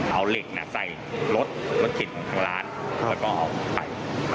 เอาเหล็กใส่รถรถเข็นของทางร้านแล้วก็เอาไป